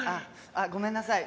あっごめんなさい。